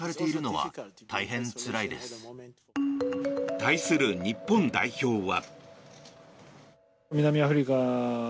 対する日本代表は。